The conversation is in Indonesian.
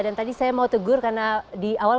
dan tadi saya mau tegur karena di awal